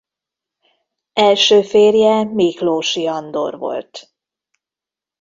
Első férje Miklóssy Andor volt.